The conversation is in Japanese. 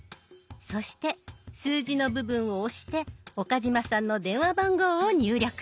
そして数字の部分を押して岡嶋さんの電話番号を入力。